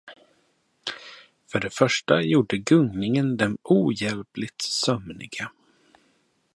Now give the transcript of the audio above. För det första gjorde gungningen dem ohjälpligt sömniga.